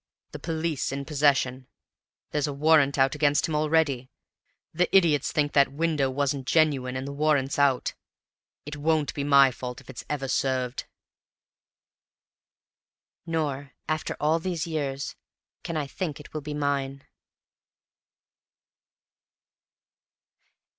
The police in possession; there's a warrant out against him already! The idiots think that window wasn't genuine, and the warrant's out. It won't be my fault if it's ever served!" Nor, after all these years, can I think it will be mine.